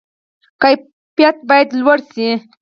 کیفیت باید لوړ شي